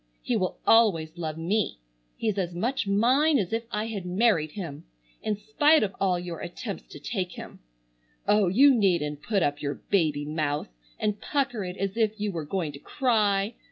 He will always love me. He's as much mine as if I had married him, in spite of all your attempts to take him. Oh, you needn't put up your baby mouth and pucker it as if you were going to cry.